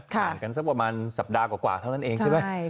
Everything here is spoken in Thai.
ห่างกันสักประมาณสัปดาห์กว่าเท่านั้นเองใช่ไหม